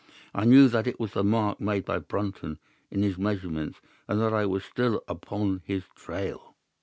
I knew that it was the mark made by Brunton in his measurements, and that I was still upon his trail.